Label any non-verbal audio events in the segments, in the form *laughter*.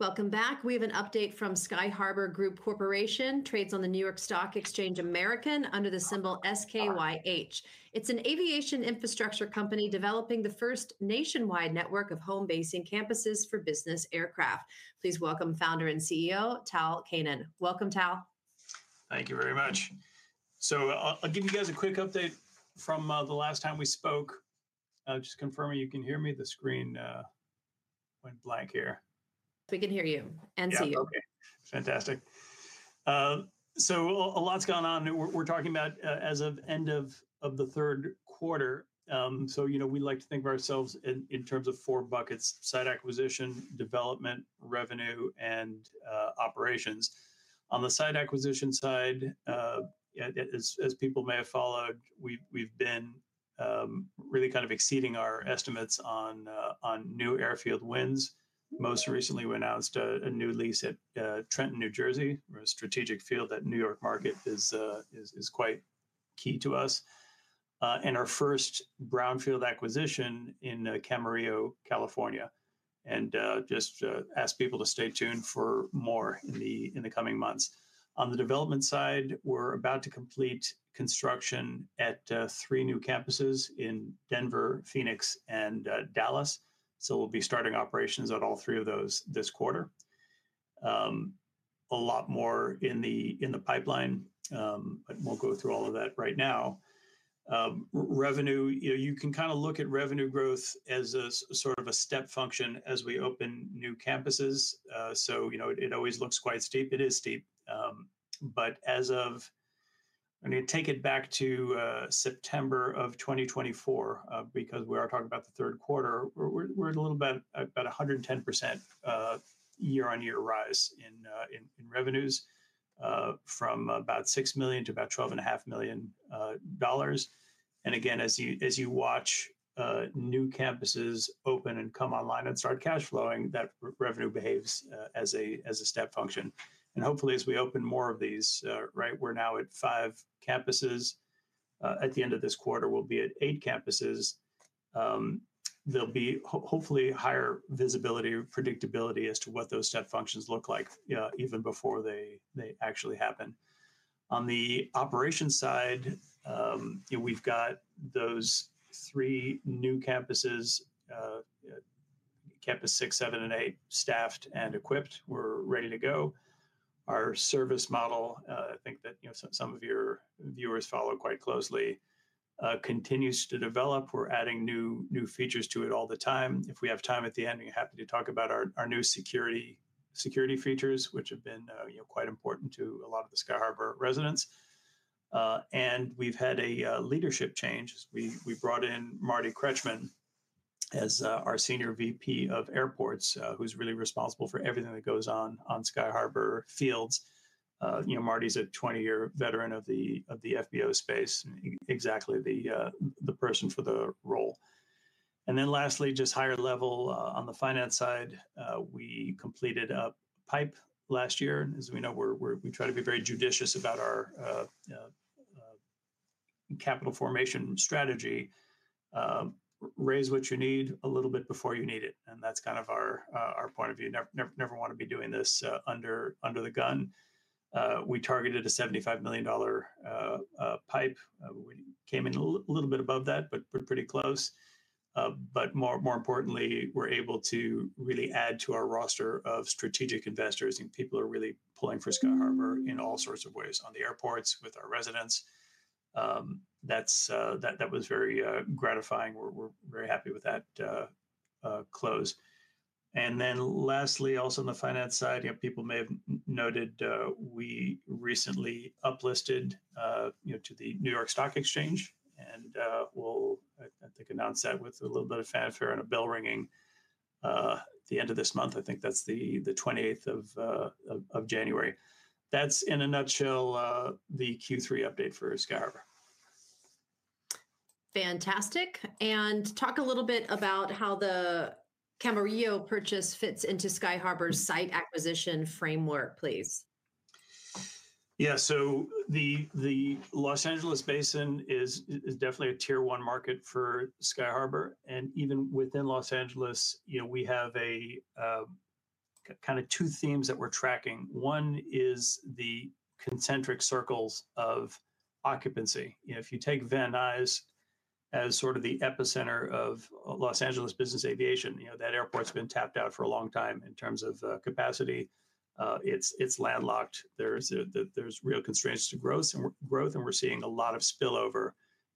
Welcome back. We have an update from Sky Harbour Group Corporation that trades on New York Stock Exchange American under the symbol SKYH. It's an aviation infrastructure company developing the first nationwide network of home-basing campuses for business aircraft. Please welcome Founder and CEO Tal Keinan. Welcome, Tal. Thank you very much. So I'll give you guys a quick update from the last time we spoke. Just confirming you can hear me, the screen went blank here. We can hear you and see you. Okay, fantastic. So a lot's gone on. We're talking about as of end of the third quarter. So, you know, we like to think of ourselves in terms of four buckets: site acquisition, development, revenue, and operations. On the site acquisition side, as people may have followed, we've been really kind of exceeding our estimates on new airfield wins. Most recently, we announced a new lease at Trenton, New Jersey, a strategic field that the New York market is quite key to us, and our first brownfield acquisition in Camarillo, California, and just ask people to stay tuned for more in the coming months. On the development side, we're about to complete construction at three new campuses in Denver, Phoenix, and Dallas. So we'll be starting operations at all three of those this quarter. A lot more in the pipeline, but we'll go through all of that right now. Revenue, you can kind of look at revenue growth as sort of a step function as we open new campuses. So, you know, it always looks quite steep. It is steep. But as of, I mean, take it back to September of 2024, because we are talking about the third quarter, we're at a little bit about 110% year-on-year rise in revenues from about $6 million to about $12.5 million. And again, as you watch new campuses open and come online and start cash flowing, that revenue behaves as a step function. And hopefully, as we open more of these, right, we're now at five campuses. At the end of this quarter, we'll be at eight campuses. There'll be hopefully higher visibility, predictability as to what those step functions look like even before they actually happen. On the operations side, we've got those three new campuses, campus six, seven, and eight, staffed and equipped. We're ready to go. Our service model, I think that some of your viewers follow quite closely, continues to develop. We're adding new features to it all the time. If we have time at the end, we're happy to talk about our new security features, which have been quite important to a lot of the Sky Harbour residents, and we've had a leadership change. We brought in Marty Kretchman as our Senior VP of Airports, who's really responsible for everything that goes on Sky Harbour Fields. You know, Marty's a 20-year veteran of the FBO space, exactly the person for the role, and then lastly, just higher level on the finance side, we completed a PIPE last year. As we know, we try to be very judicious about our capital formation strategy. Raise what you need a little bit before you need it. And that's kind of our point of view. Never want to be doing this under the gun. We targeted a $75 million PIPE. We came in a little bit above that, but pretty close. But more importantly, we're able to really add to our roster of strategic investors. And people are really pulling for Sky Harbour in all sorts of ways on the airports with our residents. That was very gratifying. We're very happy with that close. And then lastly, also on the finance side, people may have noted we recently uplisted to the New York Stock Exchange. And we'll, I think, announce that with a little bit of fanfare and a bell ringing at the end of this month. I think that's the 28th of January. That's, in a nutshell, the Q3 update for Sky Harbour. Fantastic, and talk a little bit about how the Camarillo purchase fits into Sky Harbour's site acquisition framework, please. Yeah, so the Los Angeles basin is definitely a tier one market for Sky Harbour. And even within Los Angeles, you know, we have kind of two themes that we're tracking. One is the concentric circles of occupancy. If you take Van Nuys, as sort of the epicenter of Los Angeles business aviation, you know, that airport's been tapped out for a long time in terms of capacity. It's landlocked. There's real constraints to growth. And we're seeing a lot of spillover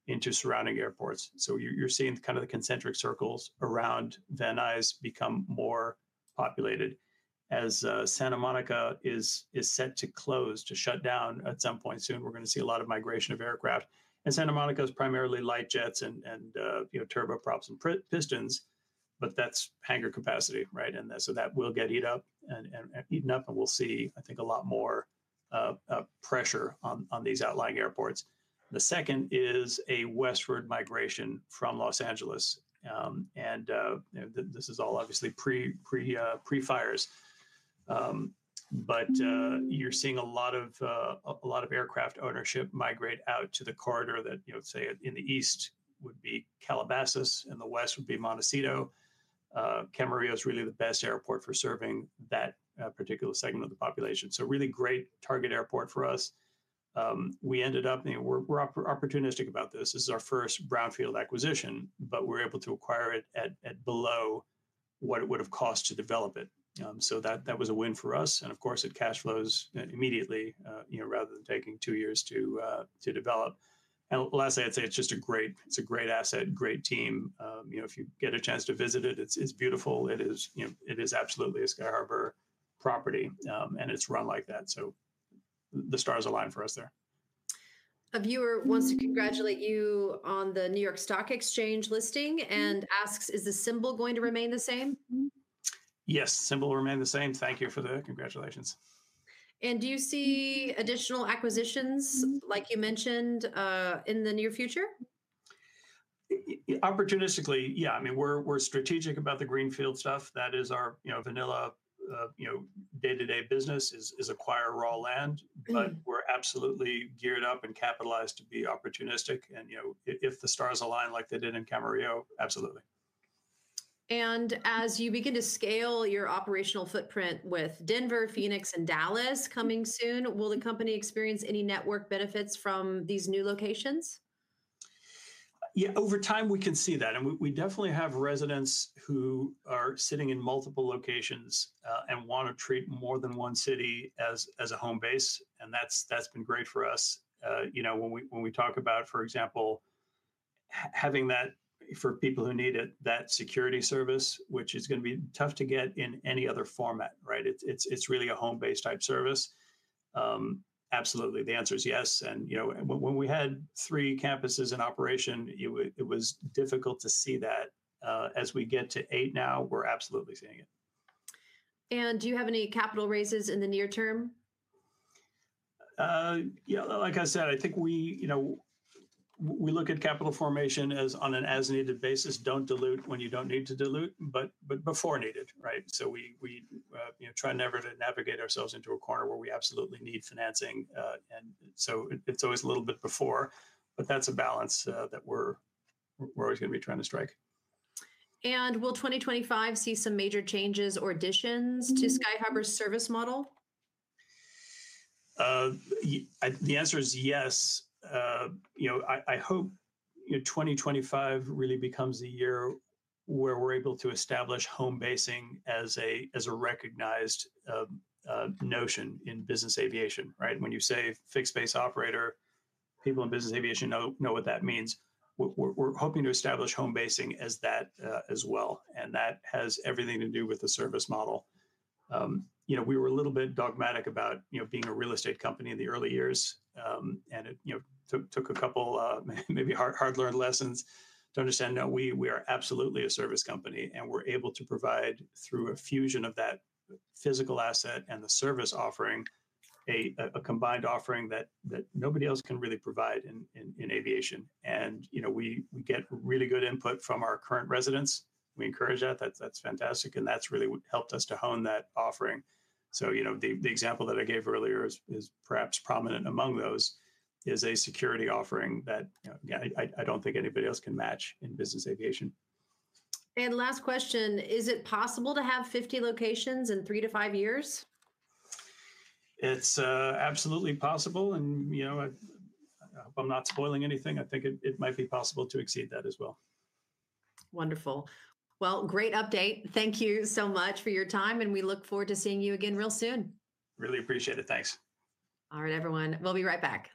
into surrounding airports. So you're seeing kind of the concentric circles around Van Nuys become more populated. As Santa Monica is set to close, to shut down at some point soon, we're going to see a lot of migration of aircraft. And Santa Monica is primarily light jets and turboprops and pistons, but that's hangar capacity, right? And so that will get eaten up. We'll see, I think, a lot more pressure on these outlying airports. The second is a westward migration from Los Angeles. This is all obviously pre-fires. You're seeing a lot of aircraft ownership migrate out to the corridor that, say, in the east would be Calabasas, and the west would be Montecito. Camarillo is really the best airport for serving that particular segment of the population. Really great target airport for us. We ended up, we're opportunistic about this. This is our first brownfield acquisition, but we're able to acquire it at below what it would have cost to develop it. That was a win for us. Of course, it cash flows immediately, rather than taking two years to develop. Lastly, I'd say it's just a great asset, great team. If you get a chance to visit it, it's beautiful. It is absolutely a Sky Harbour property. And it's run like that. So the stars align for us there. A viewer wants to congratulate you on the New York Stock Exchange listing and asks, Is the symbol going to remain the same? Yes, symbol will remain the same. Thank you for the congratulations. Do you see additional acquisitions, like you mentioned, in the near future? Opportunistically, yeah. I mean, we're strategic about the greenfield stuff. That is our vanilla day-to-day business is acquire raw land. But we're absolutely geared up and capitalized to be opportunistic, and if the stars align like they did in Camarillo, absolutely. As you begin to scale your operational footprint with Denver, Phoenix, and Dallas coming soon, will the company experience any network benefits from these new locations? Yeah, over time, we can see that. And we definitely have residents who are sitting in multiple locations and want to treat more than one city as a home base. And that's been great for us. You know, when we talk about, for example, having that, for people who need it, that security service, which is going to be tough to get in any other format, right? It's really a home-based type service. Absolutely. The answer is yes. And when we had three campuses in operation, it was difficult to see that. As we get to eight now, we're absolutely seeing it. Do you have any capital raises in the near term? Yeah, like I said, I think we look at capital formation as on an as-needed basis. Don't dilute when you don't need to dilute, but before needed, right? We try never to navigate ourselves into a corner where we absolutely need financing. It's always a little bit before. That's a balance that we're always going to be trying to strike. Will 2025 see some major changes or additions to Sky Harbour's service model? The answer is yes. You know, I hope 2025 really becomes the year where we're able to establish home basing as a recognized notion in business aviation, right? When you say fixed base operator, people in business aviation know what that means. We're hoping to establish home basing as that as well. And that has everything to do with the service model. You know, we were a little bit dogmatic about being a real estate company in the early years. And it took a couple of maybe hard-learned lessons to understand, no, we are absolutely a service company. And we're able to provide, through a fusion of that physical asset and the service offering, a combined offering that nobody else can really provide in aviation. And we get really good input from our current residents. We encourage that. That's fantastic. And that's really what helped us to hone that offering. So, you know, the example that I gave earlier is perhaps prominent among those is a security offering that I don't think anybody else can match in business aviation. Last question, is it possible to have 50 locations in three to five years? It's absolutely possible, and, you know, I hope I'm not spoiling anything. I think it might be possible to exceed that as well. Wonderful. Well, great update. Thank you so much for your time, and we look forward to seeing you again real soon. Really appreciate it. Thanks. All right, everyone. We'll be right back.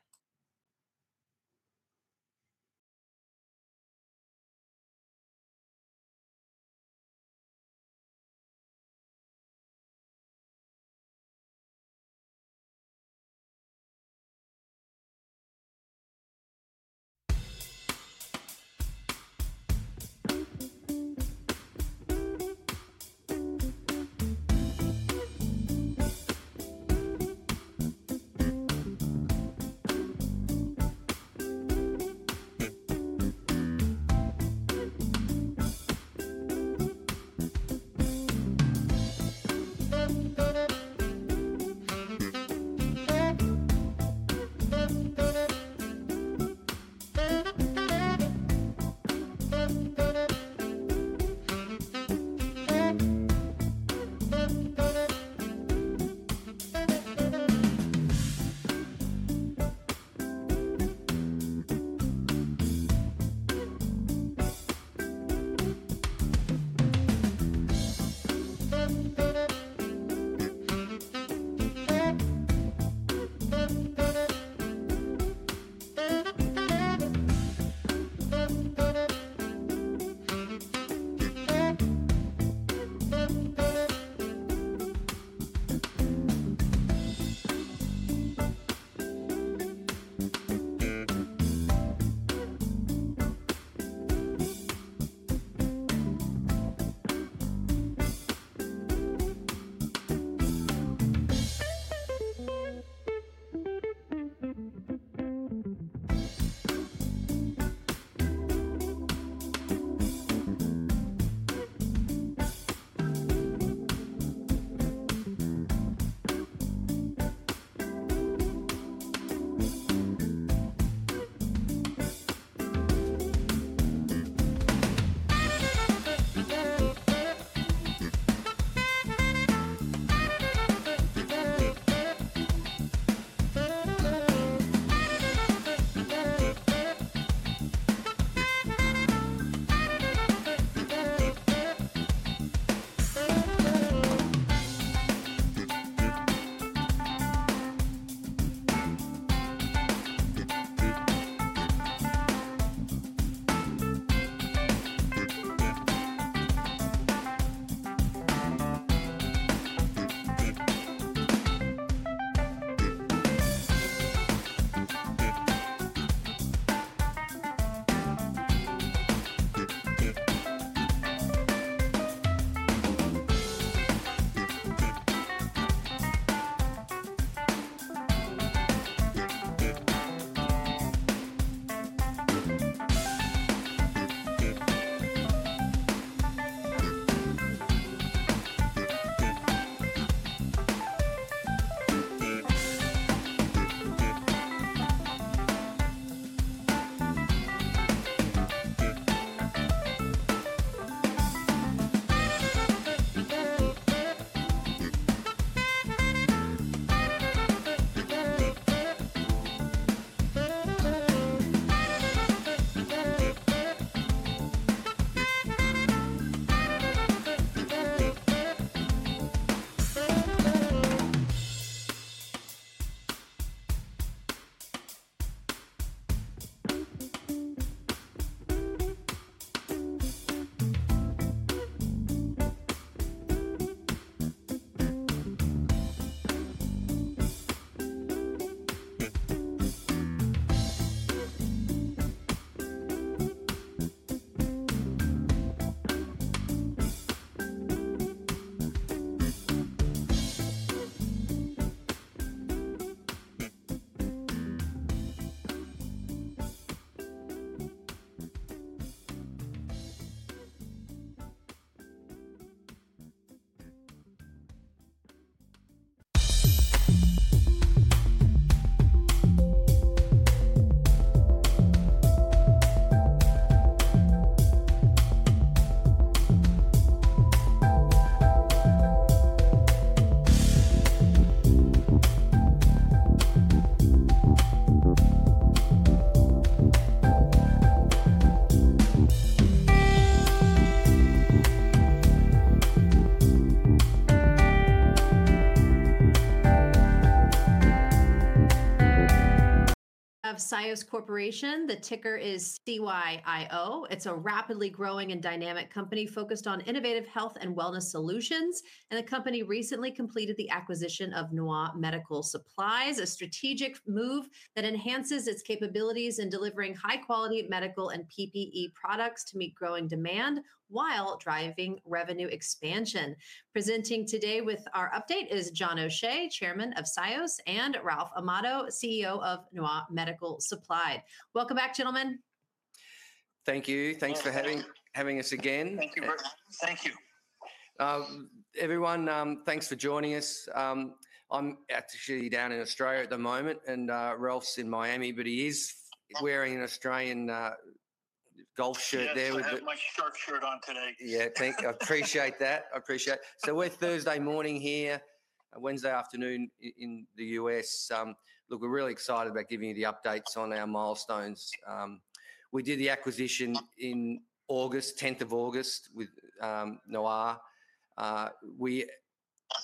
CYIOS Corporation. The ticker is CYIO. It's a rapidly growing and dynamic company focused on innovative health and wellness solutions. And the company recently completed the acquisition of Noir Medical Supplies, a strategic move that enhances its capabilities in delivering high-quality medical and PPE products to meet growing demand while driving revenue expansion. Presenting today with our update is John O'Shea, Chairman of CYIOS, and Ralph Amato, CEO of Noir Medical Supplies. Welcome back, gentlemen. Thank you. Thanks for having us again. Thank you. Everyone, thanks for joining us. I'm actually down in Australia at the moment, and Ralph's in Miami, but he is wearing an Australian golf shirt there. I'm wearing my shirt on today. Yeah, I appreciate that. I appreciate it. So we're Thursday morning here, Wednesday afternoon in the U.S. Look, we're really excited about giving you the updates on our milestones. We did the acquisition in August, 10th of August, with Noir. We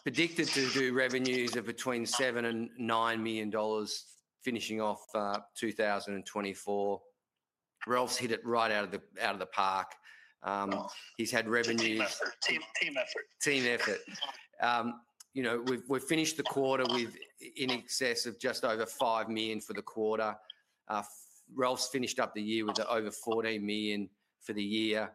predicted to do revenues of between $7 and $9 million finishing off 2024. Ralph's hit it right out of the park. He's had revenues. Team effort. Team effort. You know, we've finished the quarter with in excess of just over $5 million for the quarter. Ralph's finished up the year with over $14 million for the year.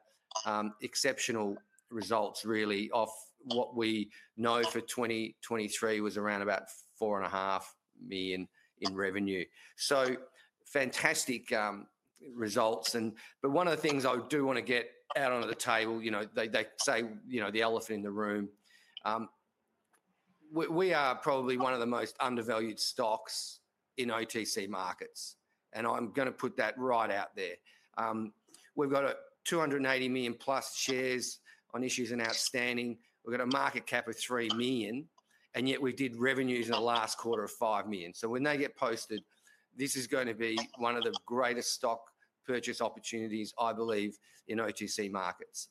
Exceptional results, really. Of what we know for 2023 was around about $4.5 million in revenue. So fantastic results. But one of the things I do want to get out onto the table, you know, they say, you know, the elephant in the room. We are probably one of the most undervalued stocks in OTC markets. And I'm going to put that right out there. We've got 280 million plus shares issued and outstanding. We've got a market cap of $3 million. And yet we did revenues in the last quarter of $5 million. So when they get posted, this is going to be one of the greatest stock purchase opportunities, I believe, in OTC markets.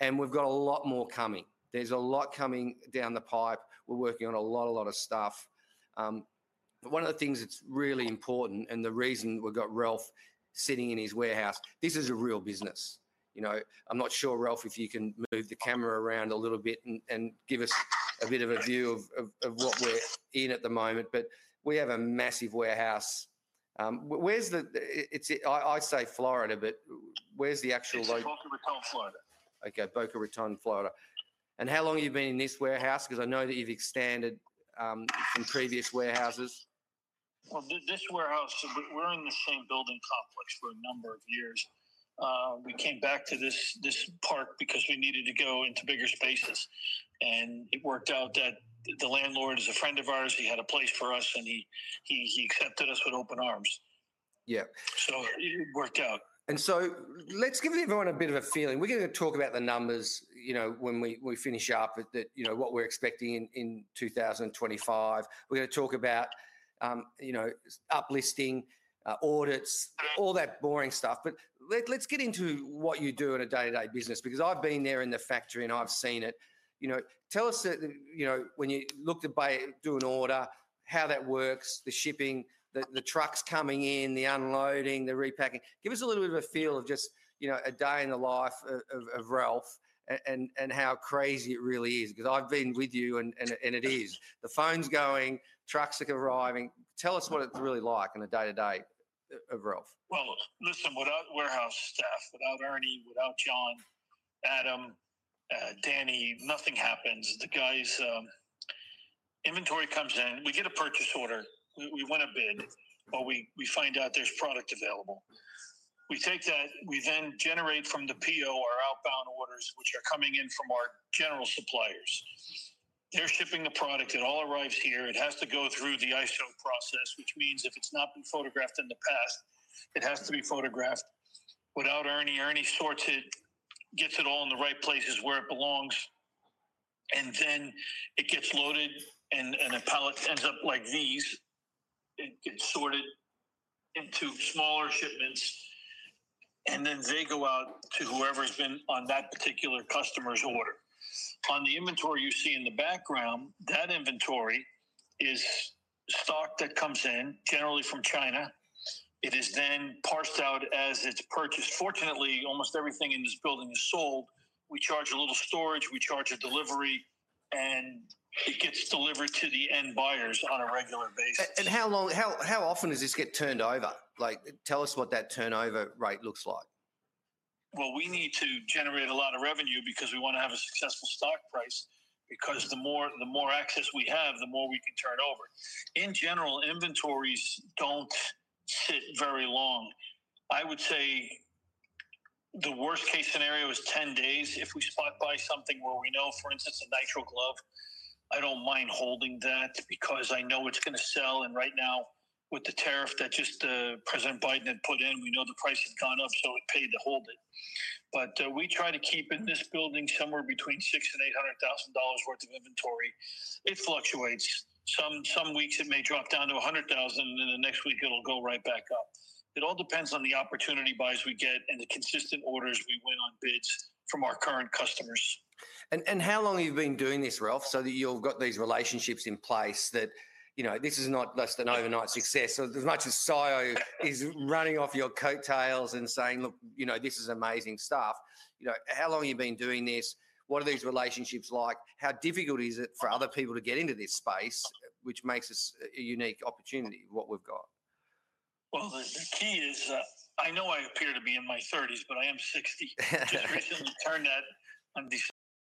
We've got a lot more coming. There's a lot coming down the pipe. We're working on a lot, a lot of stuff. One of the things that's really important and the reason we've got Ralph sitting in his warehouse, this is a real business. You know, I'm not sure, Ralph, if you can move the camera around a little bit and give us a bit of a view of what we're in at the moment. We have a massive warehouse. I say Florida, but where's the actual location? Boca Raton, Florida. Okay, Boca Raton, Florida. And how long have you been in this warehouse? Because I know that you've expanded from previous warehouses. This warehouse, we're in the same building complex for a number of years. We came back to this part because we needed to go into bigger spaces. It worked out that the landlord is a friend of ours. He had a place for us. He accepted us with open arms. Yeah. So it worked out. And so let's give everyone a bit of a feeling. We're going to talk about the numbers, you know, when we finish up, what we're expecting in 2025. We're going to talk about, you know, uplisting, audits, all that boring stuff. But let's get into what you do in a day-to-day business. Because I've been there in the factory and I've seen it. You know, tell us, you know, when you look to do an order, how that works, the shipping, the trucks coming in, the unloading, the repacking. Give us a little bit of a feel of just, you know, a day in the life of Ralph and how crazy it really is. Because I've been with you and it is. The phone's going, trucks are arriving. Tell us what it's really like on a day-to-day of Ralph. Well, listen. Without warehouse staff, without Ernie, without John, Adam, Danny, nothing happens. The guys, inventory comes in. We get a purchase order. We win a bid. Or we find out there's product available. We take that. We then generate from the PO our outbound orders, which are coming in from our general suppliers. They're shipping the product. It all arrives here. It has to go through the ISO process, which means if it's not been photographed in the past, it has to be photographed. Without Ernie, Ernie sorts it, gets it all in the right places where it belongs. And then it gets loaded. And a pallet ends up like these. It gets sorted into smaller shipments. And then they go out to whoever's been on that particular customer's order. On the inventory you see in the background, that inventory is stock that comes in, generally from China. It is then parceled out as it's purchased. Fortunately, almost everything in this building is sold. We charge a little storage. We charge a delivery, and it gets delivered to the end buyers on a regular basis. How often does this get turned over? Like, tell us what that turnover rate looks like? We need to generate a lot of revenue because we want to have a successful stock price. Because the more access we have, the more we can turn over. In general, inventories don't sit very long. I would say the worst-case scenario is 10 days if we spot buy something where we know, for instance, a nitrile glove. I don't mind holding that because I know it's going to sell. And right now, with the tariff that just President Biden had put in, we know the price has gone up. So it's paid to hold it. But we try to keep in this building somewhere between $6,000 and $800,000 worth of inventory. It fluctuates. Some weeks it may drop down to $100,000. And then the next week it'll go right back up. It all depends on the opportunity buys we get and the consistent orders we win on bids from our current customers. How long have you been doing this, Ralph, so that you've got these relationships in place that, you know, this is not just an overnight success? As much as CYIOS is running off your coattails and saying, look, you know, this is amazing stuff, you know, how long have you been doing this? What are these relationships like? How difficult is it for other people to get into this space, which makes us a unique opportunity, what we've got? The key is I know I appear to be in my 30s, but I am 60. Just recently turned that on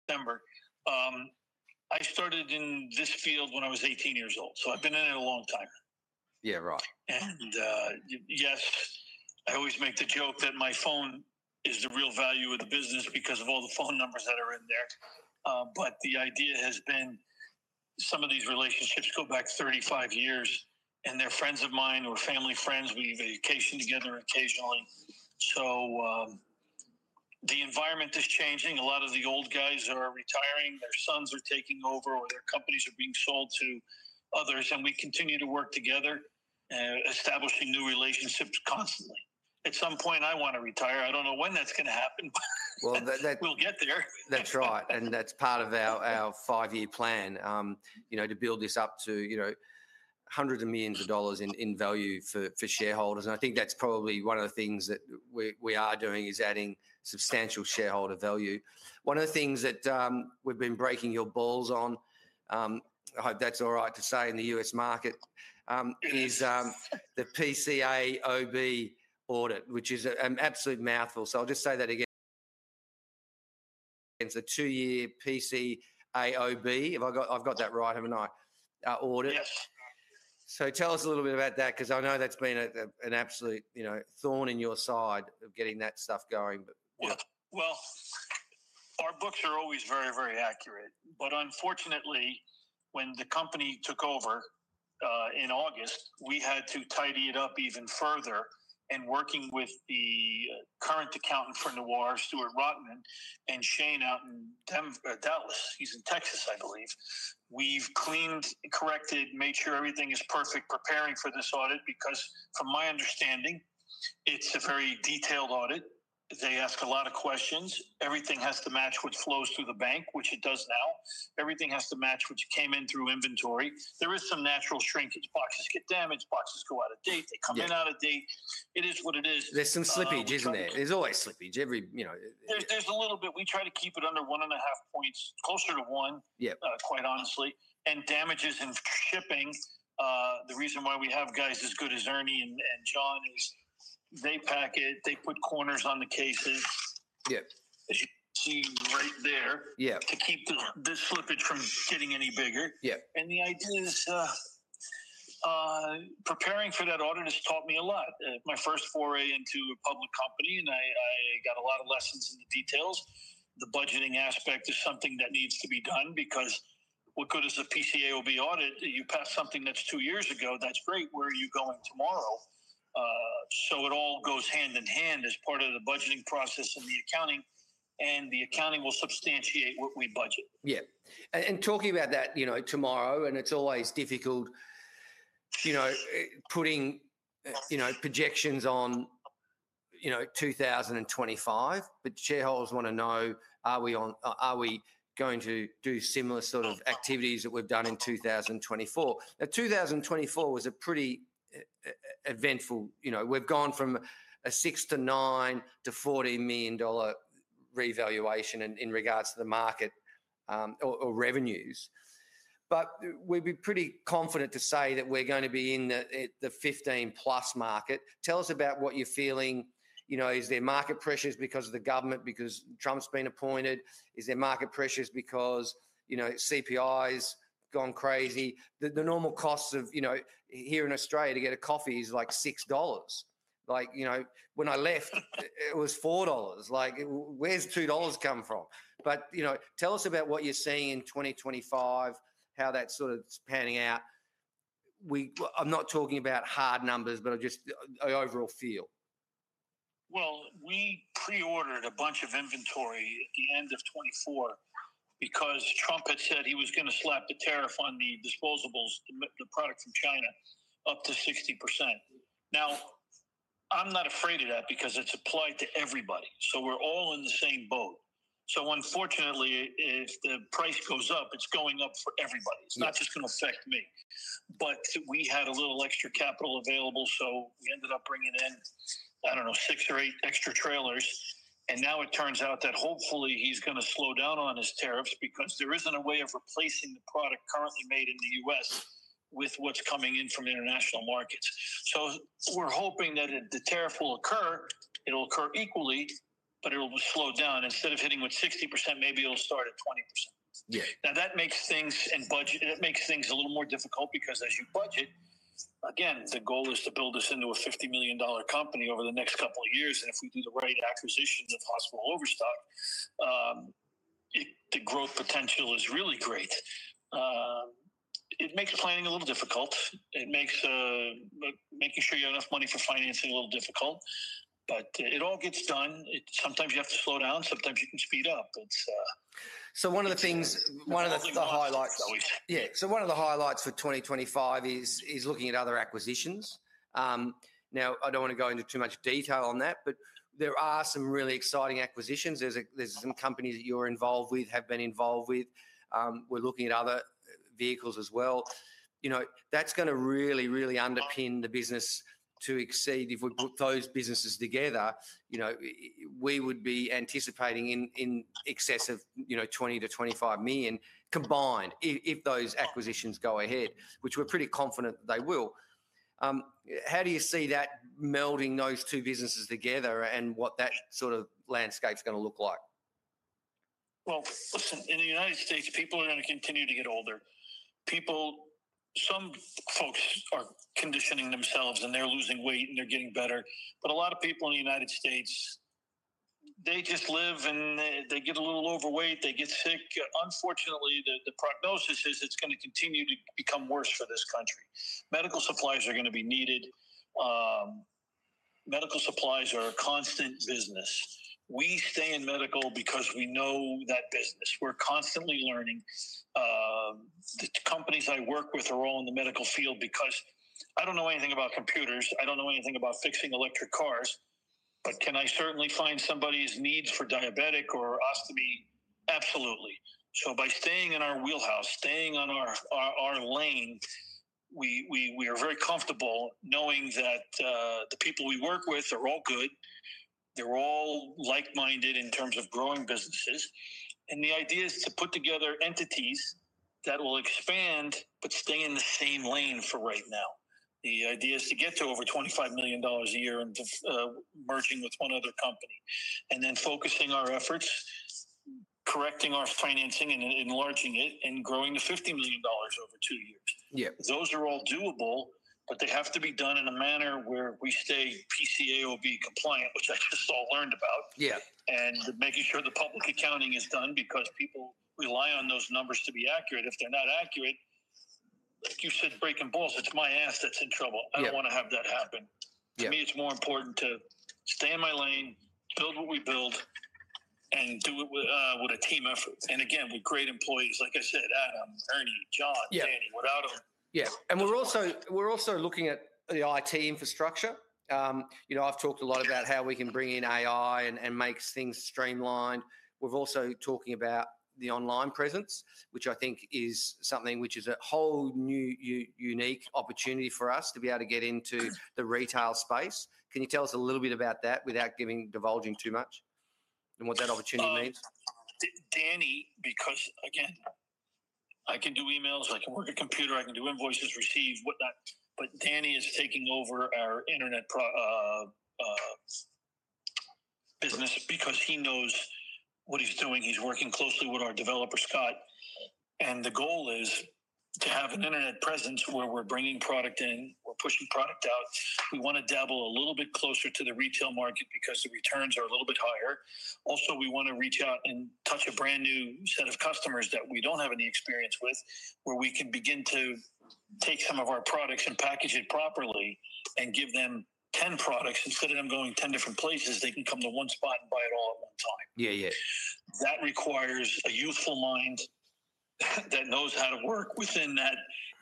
December. I started in this field when I was 18 years old. I've been in it a long time. Yeah, right. And yes, I always make the joke that my phone is the real value of the business because of all the phone numbers that are in there. But the idea has been some of these relationships go back 35 years. And they're friends of mine or family friends. We vacation together occasionally. So the environment is changing. A lot of the old guys are retiring. Their sons are taking over or their companies are being sold to others. And we continue to work together, establishing new relationships constantly. At some point, I want to retire. I don't know when that's going to happen. Well, that. We'll get there. That's right. And that's part of our five-year plan, you know, to build this up to, you know, hundreds of millions of dollars in value for shareholders. And I think that's probably one of the things that we are doing is adding substantial shareholder value. One of the things that we've been breaking your balls on, I hope that's all right to say in the U.S. market, is the PCAOB audit, which is an absolute mouthful. So I'll just say that again. It's a two-year PCAOB audit, if I've got that right, haven't I? Yes. So tell us a little bit about that because I know that's been an absolute, you know, thorn in your side of getting that stuff going. Our books are always very, very accurate, but unfortunately, when the company took over in August, we had to tidy it up even further and working with the current accountant for Noir, Stuart Rotman and Shane out in Dallas, he's in Texas, I believe, we've cleaned, corrected, made sure everything is perfect preparing for this audit because from my understanding, it's a very detailed audit. They ask a lot of questions. Everything has to match what flows through the bank, which it does now. Everything has to match what came in through inventory. There is some natural shrinkage. Boxes get damaged. Boxes go out of date. They come in out of date. It is what it is. There's some slippage, isn't it? It's always slippage. Every, you know. There's a little bit. We try to keep it under one and a half points, closer to one, quite honestly, and damages in shipping, the reason why we have guys as good as Ernie and John is they pack it. They put corners on the cases. Yeah. As you can see right there, to keep this slippage from getting any bigger. Yeah. The idea is preparing for that audit has taught me a lot. My first foray into a public company. I got a lot of lessons in the details. The budgeting aspect is something that needs to be done because what good is a PCAOB audit? You pass something that's two years ago. That's great. Where are you going tomorrow? It all goes hand in hand as part of the budgeting process and the accounting. The accounting will substantiate what we budget. Yeah. And talking about that, you know, tomorrow, and it's always difficult, you know, putting, you know, projections on, you know, 2025. But shareholders want to know, are we going to do similar sort of activities that we've done in 2024? Now, 2024 was a pretty eventful, you know, we've gone from a $6 to $9 to $40 million revaluation in regards to the market or revenues. But we'd be pretty confident to say that we're going to be in the $15+ market. Tell us about what you're feeling. You know, is there market pressures because of the government, because Trump's been appointed? Is there market pressures because, you know, CPI's gone crazy? The normal cost of, you know, here in Australia to get a coffee is like $6. Like, you know, when I left, it was $4. Like, where's $2 come from? But, you know, tell us about what you're seeing in 2025, how that's sort of panning out. I'm not talking about hard numbers, but just an overall feel. We preordered a bunch of inventory at the end of 2024 because Trump had said he was going to slap the tariff on the disposables, the product from China, up to 60%. Now, I'm not afraid of that because it's applied to everybody. We're all in the same boat. Unfortunately, if the price goes up, it's going up for everybody. It's not just going to affect me. We had a little extra capital available. We ended up bringing in, I don't know, six or eight extra trailers. Now it turns out that hopefully he's going to slow down on his tariffs because there isn't a way of replacing the product currently made in the U.S. with what's coming in from international markets. We're hoping that if the tariff will occur, it'll occur equally, but it'll slow down. Instead of hitting with 60%, maybe it'll start at 20%. Yeah. Now, that makes things and budget, that makes things a little more difficult because as you budget, again, the goal is to build us into a $50 million company over the next couple of years, and if we do the right acquisitions and possible overstock, the growth potential is really great. It makes planning a little difficult. It makes making sure you have enough money for financing a little difficult, but it all gets done. Sometimes you have to slow down. Sometimes you can speed up. One of the things, one of the highlights. I believe that's always. Yeah. So one of the highlights for 2025 is looking at other acquisitions. Now, I don't want to go into too much detail on that. But there are some really exciting acquisitions. There's some companies that you're involved with, have been involved with. We're looking at other vehicles as well. You know, that's going to really, really underpin the business to exceed if we put those businesses together. You know, we would be anticipating in excess of, you know, $20-$25 million combined if those acquisitions go ahead, which we're pretty confident they will. How do you see that melding those two businesses together and what that sort of landscape's going to look like? Listen, in the United States, people are going to continue to get older. People, some folks are conditioning themselves, and they're losing weight and they're getting better, but a lot of people in the United States, they just live and they get a little overweight. They get sick. Unfortunately, the prognosis is it's going to continue to become worse for this country. Medical supplies are going to be needed. Medical supplies are a constant business. We stay in medical because we know that business. We're constantly learning. The companies I work with are all in the medical field because I don't know anything about computers. I don't know anything about fixing electric cars, but can I certainly find somebody's needs for diabetic or ostomy? Absolutely, so by staying in our wheelhouse, staying on our lane, we are very comfortable knowing that the people we work with are all good. They're all like-minded in terms of growing businesses, and the idea is to put together entities that will expand but stay in the same lane for right now. The idea is to get to over $25 million a year and merging with one other company, and then focusing our efforts, correcting our financing and enlarging it and growing to $50 million over two years. Yeah. Those are all doable, but they have to be done in a manner where we stay PCAOB compliant, which I just all learned about. Yeah. Making sure the public accounting is done because people rely on those numbers to be accurate. If they're not accurate, like you said, breaking balls, it's my ass that's in trouble. I don't want to have that happen. Yeah. To me, it's more important to stay in my lane, build what we build, and do it with a team effort. And again, with great employees, like I said, Adam, Ernie, John, Danny, whatever. Yeah. And we're also looking at the IT infrastructure. You know, I've talked a lot about how we can bring in AI and make things streamlined. We're also talking about the online presence, which I think is something which is a whole new unique opportunity for us to be able to get into the retail space. Can you tell us a little bit about that without divulging too much and what that opportunity means? Danny, because again, I can do emails. I can work a computer. I can do invoices, receive, whatnot. But Danny is taking over our internet business because he knows what he's doing. He's working closely with our developer, Scott. And the goal is to have an internet presence where we're bringing product in. We're pushing product out. We want to dabble a little bit closer to the retail market because the returns are a little bit higher. Also, we want to reach out and touch a brand new set of customers that we don't have any experience with where we can begin to take some of our products and package it properly and give them 10 products. Instead of them going 10 different places, they can come to one spot and buy it all at one time. Yeah, yeah. That requires a youthful mind that knows how to work within that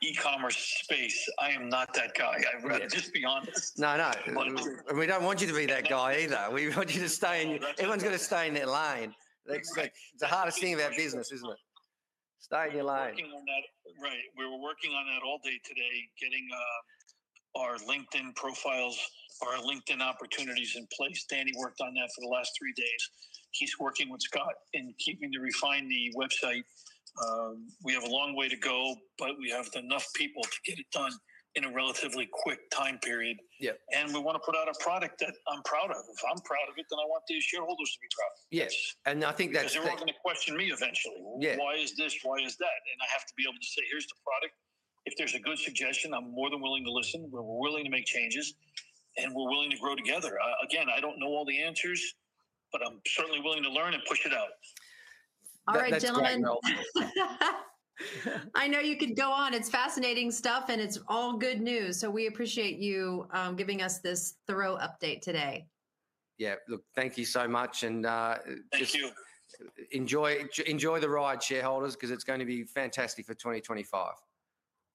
e-commerce space. I am not that guy. I've got to just be honest. No, no. We don't want you to be that guy either. We want you to stay in your lane. Everyone's going to stay in their lane. It's the hardest thing about business, isn't it? Stay in your lane. Working on that. Right. We were working on that all day today, getting our LinkedIn profiles, our LinkedIn opportunities in place. Danny worked on that for the last three days. He's working with Scott in keeping to refine the website. We have a long way to go, but we have enough people to get it done in a relatively quick time period. Yeah. We want to put out a product that I'm proud of. If I'm proud of it, then I want these shareholders to be proud of it. Yes, and I think that's. Because they're all going to question me eventually. Yeah. Why is this? Why is that? And I have to be able to say, here's the product. If there's a good suggestion, I'm more than willing to listen. We're willing to make changes. And we're willing to grow together. Again, I don't know all the answers, but I'm certainly willing to learn and push it out. All right, gentlemen. *audio distortion* I know you can go on. It's fascinating stuff. And it's all good news. So we appreciate you giving us this thorough update today. Yeah. Look, thank you so much. And. Thank you. Enjoy the ride, shareholders, because it's going to be fantastic for 2025. Thank you.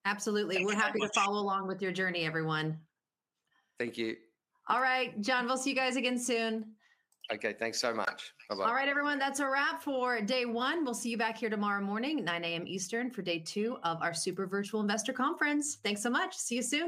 Absolutely. We're happy to follow along with your journey, everyone. Thank you. All right, John, we'll see you guys again soon. Okay. Thanks so much. Bye-bye. All right, everyone. That's a wrap for day one. We'll see you back here tomorrow morning, 9:00 A.M. Eastern, for day two of our Super Virtual Investor Conference. Thanks so much. See you soon.